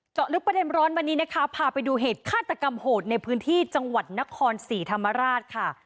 เจาะลึกประเด็นร้อนวันนี้นะคะพาไปดูเหตุฆาตกรรมโหดในพื้นที่จังหวัดนครศรีธรรมราชค่ะ